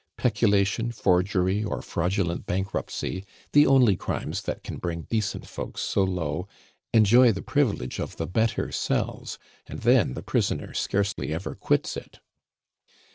Peculation, forgery, or fraudulent bankruptcy, the only crimes that can bring decent folks so low, enjoy the privilege of the better cells, and then the prisoner scarcely ever quits it.